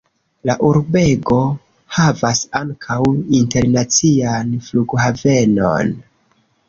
La urbego havas ankaŭ internacian flughavenon.